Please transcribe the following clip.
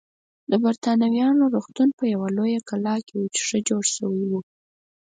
د بریتانویانو روغتون په یوه لویه کلا کې و چې ښه جوړه شوې وه.